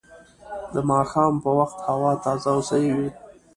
د ماښام په وخت هوا تازه او صحي وي